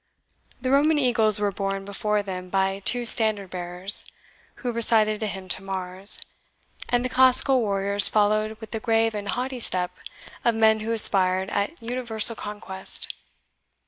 The Roman eagles were borne before them by two standard bearers, who recited a hymn to Mars, and the classical warriors followed with the grave and haughty step of men who aspired at universal conquest.